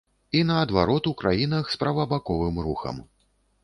І наадварот у краінах з правабаковым рухам.